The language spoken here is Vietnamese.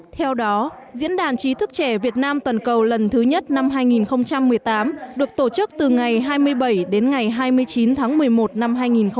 theo đó diễn đàn chí thức trẻ việt nam toàn cầu lần thứ nhất năm hai nghìn một mươi tám được tổ chức từ ngày hai mươi bảy đến ngày hai mươi chín tháng một mươi một năm hai nghìn một mươi tám